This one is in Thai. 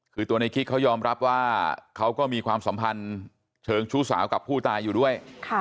คือตัวในกิ๊กเขายอมรับว่าเขาก็มีความสัมพันธ์เชิงชู้สาวกับผู้ตายอยู่ด้วย